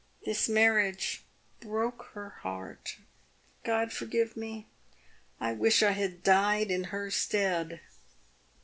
This marriage broke her heart ! God forgive me ! I wish I had died in her stead